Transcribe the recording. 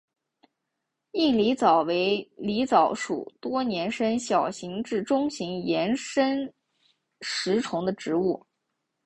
硬狸藻为狸藻属多年生小型至中型岩生食虫植物。